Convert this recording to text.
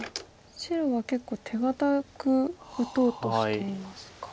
白は結構手堅く打とうとしていますか。